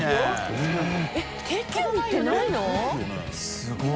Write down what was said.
すごい。